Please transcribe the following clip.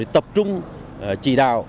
tập trung chỉ đạo